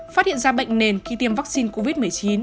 phát hiện ra bệnh nền khi tiêm vaccine covid một mươi chín